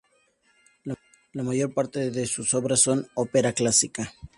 La mayor parte de sus obras son ópera clásica.